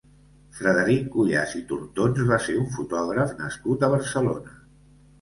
Frederic Cuyàs i Tortons va ser un fotògraf nascut a Barcelona.